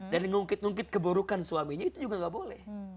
dan mengungkit ngungkit keburukan suaminya itu juga gak boleh